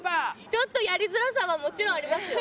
ちょっとやりづらさはもちろんありますよ。